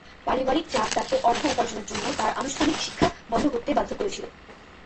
পারিবারিক চাপ তাকে অর্থ উপার্জনের জন্য তার আনুষ্ঠানিক শিক্ষা বন্ধ করতে বাধ্য করেছিল।